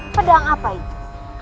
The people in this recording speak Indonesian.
pedang apa itu